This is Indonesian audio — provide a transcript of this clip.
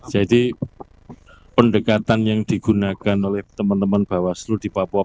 jadi pendekatan yang digunakan oleh teman teman bawah seluruh di papua